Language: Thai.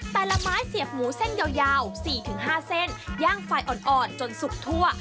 แต่ละไม้เสียบหมูเส้นยาวยาวสี่ถึงห้าเส้นย่างไฟอ่อนอดจนสุกทั่ว